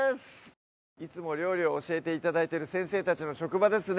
いつも料理を教えて頂いてる先生たちの職場ですね